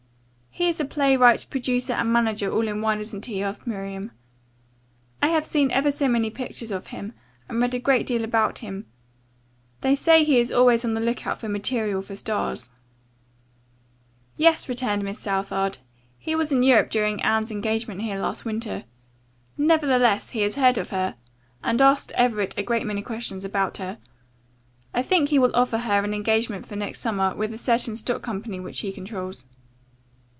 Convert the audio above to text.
"He is a playwright, producer and manager all in one, isn't he?" asked Miriam. "I have seen ever so many pictures of him, and read a great deal about him. They say he is always on the lookout for material for stars." "Yes," returned Miss Southard. "He was in Europe during Anne's engagement here last winter. Nevertheless, he heard of her and asked Everett a great many questions about her. I think he will offer her an engagement for next summer with a certain stock company which he controls."